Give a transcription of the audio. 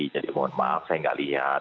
jadi mohon maaf saya tidak lihat